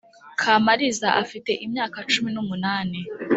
kamariza afite imyaka cumi n’umunani,